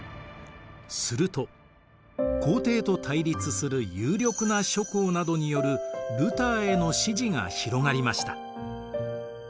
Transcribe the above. すると皇帝と対立する有力な諸侯などによるルターへの支持が広がりました。